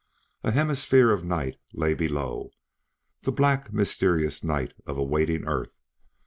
A hemisphere of night lay below the black, mysterious night of a waiting Earth.